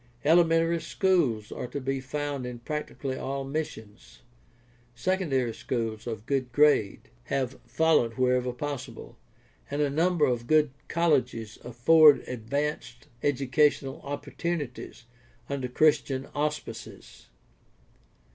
Ele mentary schools are to be found in practically all missions. Secondary schools of good grade have followed wherever pos sible, and a number of good colleges afford advanced educa tional opportunities under Christian auspices.